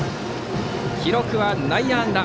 記録は内野安打。